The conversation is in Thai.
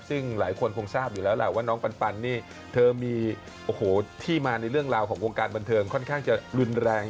ซึ่งหลายคนคงทราบอยู่แล้วแหละว่าน้องปันนี่เธอมีโอ้โหที่มาในเรื่องราวของวงการบันเทิงค่อนข้างจะรุนแรง